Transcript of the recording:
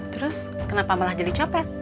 terus kenapa malah jadi copet